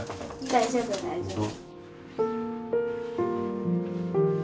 大丈夫大丈夫。